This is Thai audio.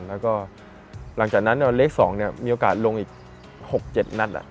แล้วก็หลังจากนั้นเลข๒มีโอกาสลงอีก๖๗นัด